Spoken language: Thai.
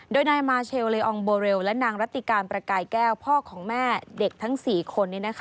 โดยนายมาเชลเลอองโบเรลและนางรัติการประกายแก้วพ่อของแม่เด็กทั้ง๔คน